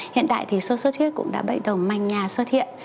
hiện tại thì sốt xuất huyết cũng đã bệnh đầu manh nhà xuất hiện